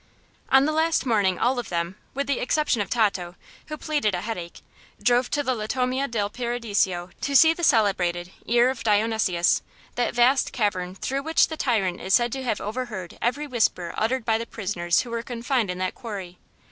On the last morning all of them with the exception of Tato, who pleaded a headache drove to the Latomia del Paradiso to see the celebrated "Ear of Dionysius" that vast cavern through which the tyrant is said to have overheard every whisper uttered by the prisoners who were confined in that quarry.